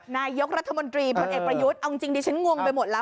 นายกรัฐมนตรีพลเอกประยุทธ์เอาจริงดิฉันงงไปหมดแล้ว